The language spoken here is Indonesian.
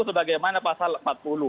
sebagaimana pasal empat puluh